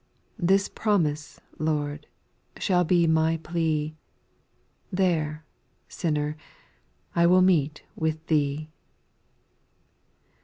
This promise. Lord, shall be my plea — There^ sinner, I will meet with Thee.